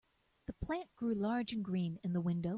The plant grew large and green in the window.